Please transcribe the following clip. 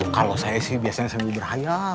kalau saya sih biasanya sambil berhanya